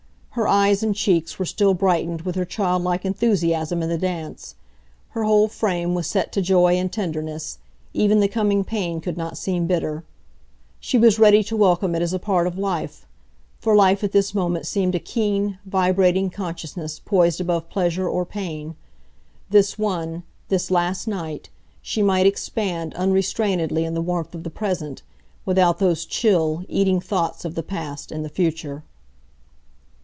Her eyes and cheeks were still brightened with her childlike enthusiasm in the dance; her whole frame was set to joy and tenderness; even the coming pain could not seem bitter,—she was ready to welcome it as a part of life, for life at this moment seemed a keen, vibrating consciousness poised above pleasure or pain. This one, this last night, she might expand unrestrainedly in the warmth of the present, without those chill, eating thoughts of the past and the future.